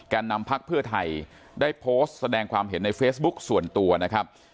นำพักเพื่อไทยได้โพสต์แสดงความเห็นในเฟซบุ๊คส่วนตัวนะครับ